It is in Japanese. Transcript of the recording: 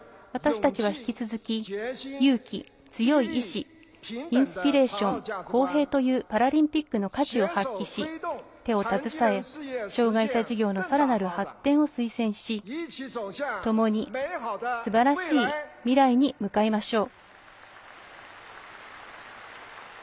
私たちは引き続き勇気、強い意志インスピレーション公平というパラリンピックの価値を発揮し手を携え、障がい者事業のさらなる発展を推進しともにすばらしい未来へ向かいましょう。